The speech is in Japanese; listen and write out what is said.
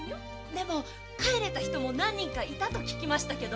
でも帰れた人も何人かいたと聞きましたけど？